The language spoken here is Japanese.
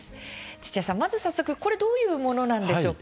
土屋さん、まず早速これどういうものなんでしょうか。